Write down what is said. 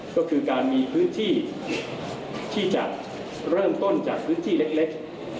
ก็คือการมีพื้นที่ที่จะเริ่มต้นจากพื้นที่เล็ก